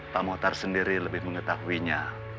pak muhtar sendiri lebih mengetahuinya